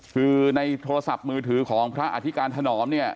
คือในโทรศัพท์มือถือของพระอธิการถนอมเนี่ย